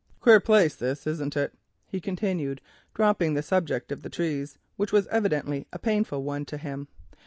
Queer place this, isn't it?" he continued, dropping the subject of the trees, which was evidently a painful one to him.